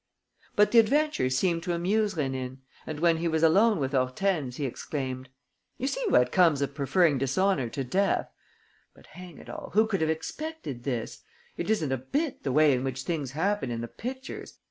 But the adventure seemed to amuse Rénine; and, when he was alone with Hortense, he exclaimed: "You see what comes of preferring dishonour to death! But hang it all, who could have expected this? It isn't a bit the way in which things happen in the pictures!